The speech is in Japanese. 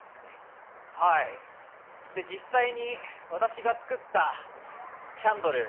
実際に私が作ったキャンドル